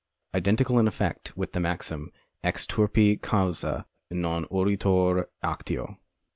Identical in effect with the maxim : Ex turpi causa non oritur actio.